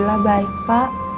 ya udah banyak passengers